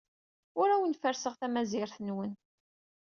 Ur awen-ferrseɣ tamazirt-nwen.